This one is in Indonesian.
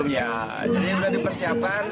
ya jadi sudah dipersiapkan